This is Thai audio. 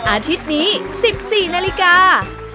อาทิตย์นี้๑๔นาฬิกา